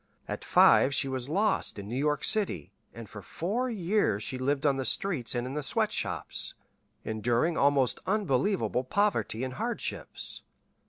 At five she was lost in New York City, and for four years she lived on the streets and in the sweat shops, enduring almost unbelievable poverty and hardships."